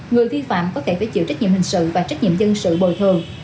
người vi phạm có thể phải chịu trách nhiệm hình sự và trách nhiệm dân sự bồi thường